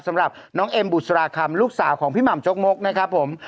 สำหรับน้องเอ็มบุษราคำลูกสาวของพี่หม่ำจกมกนะครับผม